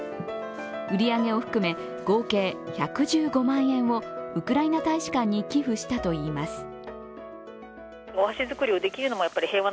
売り上げを含め合計１１５万円をウクライナ大使館に寄附したといいます。